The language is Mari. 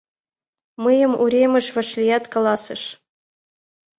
Мыйым уремеш вашлият, каласыш.